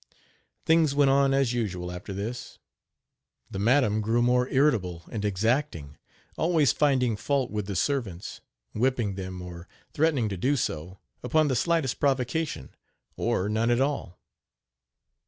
" Things went on as usual after this. The madam grew more irritable and exacting, always finding fault with the servants, whipping them, or threatening to do so, upon the slightest provocation, or none at all.